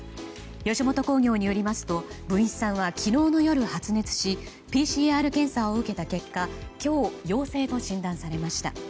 吉本興業によりますと文枝さんは昨日の夜、発熱しＰＣＲ検査を受けた結果今日、陽性と診断されました。